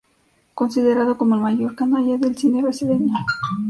Considerado como el "Mayor canalla" del cine brasileño.